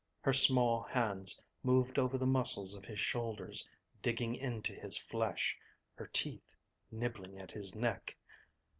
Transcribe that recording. Her small hands moved over the muscles of his shoulders, digging into his flesh, her teeth nibbling at his neck.